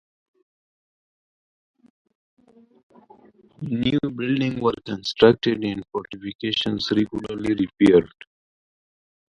New building were constructed and fortifications regularly repaired.